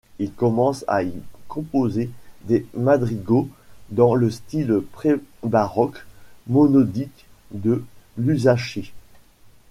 Il commence à y composer des madrigaux dans le style pré-baroque, monodique de Luzzaschi.